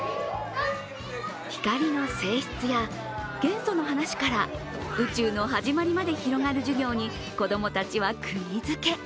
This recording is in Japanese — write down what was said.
光の性質や元素の話から宇宙の始まりまで広がる授業に子供たちはくぎづけ。